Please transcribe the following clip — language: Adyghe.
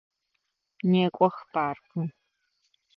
Некӏох паркым!